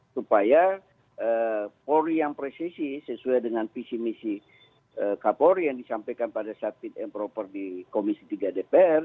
supaya polri yang presisi sesuai dengan visi misi kapolri yang disampaikan pada saat fit and proper di komisi tiga dpr